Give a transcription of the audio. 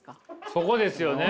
そこですよね。